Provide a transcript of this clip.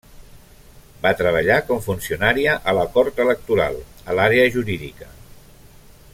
Va treballar com funcionària a la Cort Electoral, a l'àrea jurídica.